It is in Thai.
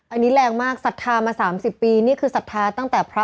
อันนี้แรงมากศรัทธามา๓๐ปีนี่คือศรัทธาตั้งแต่พระ